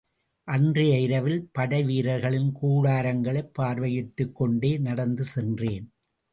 அன்றைய இரவில், படைவீரர்களின் கூடாரங்களைப் பார்வையிட்டுக் கொண்டே நடந்து சென்றேன்.